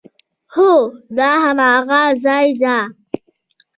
هو، دا هماغه ځای ده